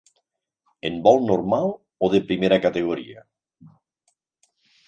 El vol normal o de primera categoria?